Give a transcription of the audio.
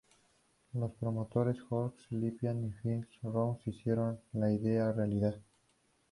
Los promotores Horst Lippmann y Fritz Rau hicieron la idea realidad.